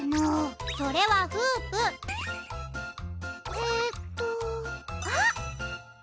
えっとあっ！